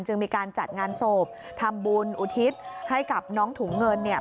มีการจัดงานศพทำบุญอุทิศให้กับน้องถุงเงินเนี่ย